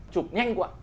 chụp nhanh quá